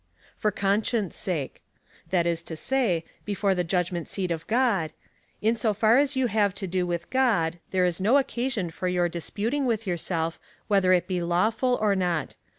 For conscience sake — that is to say. Before the judgment seat of God —" In so far as you have to do with God, there is no occasion foryour disputing with yourself, whether it be law ful or not.